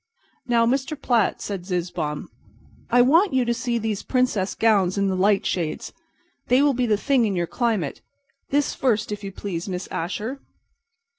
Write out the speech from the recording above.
"Now, Mr. Platt," said Zizzbaum, "I want you to see these princess gowns in the light shades. They will be the thing in your climate. This first, if you please, Miss Asher."